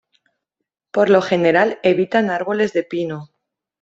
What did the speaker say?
Por lo general evitan árboles de pino.